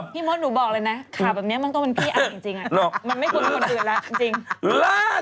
พี่โม่นหนูบอกเลยแหละ